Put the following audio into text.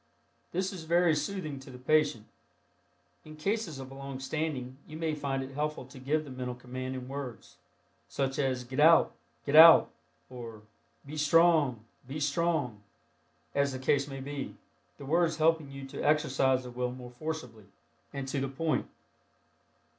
This is very soothing to the patient. In cases of long standing you may find it helpful to give the mental command in words, such as "get out, get out," or "be strong, be strong," as the case may be, the words helping you to exercise the will more forcibly and to the point.